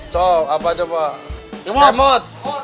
so apa itu pak kemot